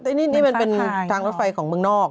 แต่นี่มันเป็นทางรถไฟของเมืองนอก